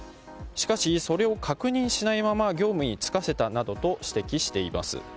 しかし、それを確認しないまま業務につかせたなどと指摘しています。